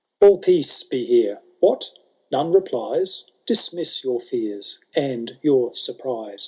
XL All peace be here — What ! none replies ? Dismiss your fears and your surprise.